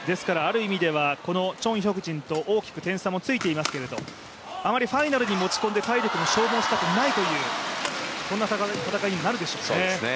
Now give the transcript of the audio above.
このチョン・ヒョクジンと大きく点差もついてますけどあまりファイナルに持ち込んで体力も消耗したくないというそんな戦いにもなるでしょうか。